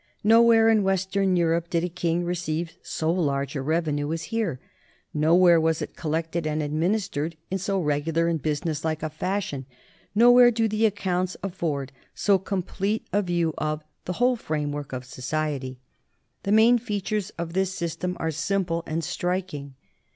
No where in western Europe did a king receive so large a revenue as here; nowhere was it collected and adminis tered in so regular and businesslike a fashion; nowhere do the accounts afford so complete a view of " the whole framework of society." The main features of this sys tem are simple and striking.